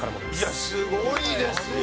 いやすごいですよ！